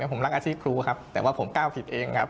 ผมรักอาชีพครูครับแต่ว่าผมก้าวผิดเองครับ